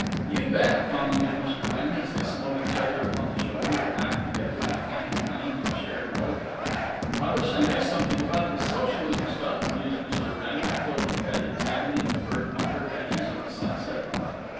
"You bet!" commented Mr. Wrenn, and they smote each other upon the shoulder and laughed together in a fine flame of shared hope. "I wish I knew something about this socialism stuff," mused Mr. Wrenn, with tilted head, examining the burnt umber edges of the sunset.